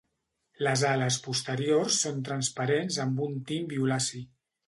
Les ales posteriors són transparents amb un tint violaci.